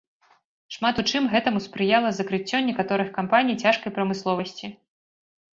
Шмат у чым гэтаму спрыяла закрыццё некаторых кампаній цяжкай прамысловасці.